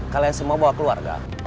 kalian semua bawa keluarga